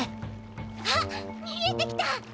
あっ見えてきた。